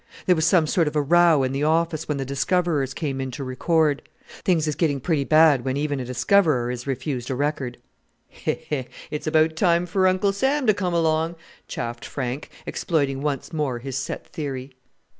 There was some sort of a row in the office when the discoverers came in to record. Things is getting pretty bad when even a discoverer is refused a record!" "He, he! it's about time for Uncle Sam to come along," chaffed Frank, exploiting once more his set theory.